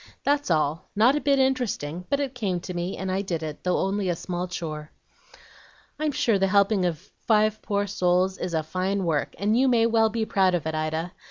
That's all, not a bit interesting, but it came to me, and I did it, though only a small chore." "I'm sure the helping of five poor souls is a fine work, and you may well be proud of it, Ida.